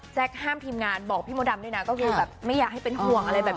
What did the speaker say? ห้ามทีมงานบอกพี่มดดำด้วยนะก็คือแบบไม่อยากให้เป็นห่วงอะไรแบบ